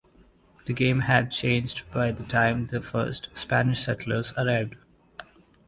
The game had changed by the time the first Spanish settlers arrived.